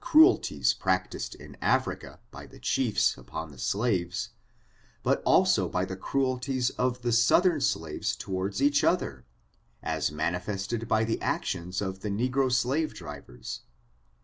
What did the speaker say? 266 cruelties practiced in Africa, by the chiefs, upon the slaves, but also by the cruelties of the southern slaves toward each other, as manifested by the actions of the negro slave drivers.